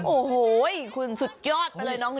โอ้โหคุณสุดยอดไปเลยน้อง